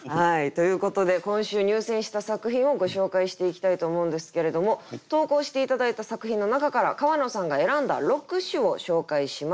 ということで今週入選した作品をご紹介していきたいと思うんですけれども投稿して頂いた作品の中から川野さんが選んだ六首を紹介します。